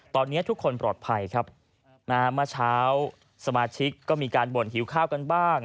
ตอนนี้ทุกคนปลอดภัยครับนะฮะเมื่อเช้าสมาชิกก็มีการบ่นหิวข้าวกันบ้าง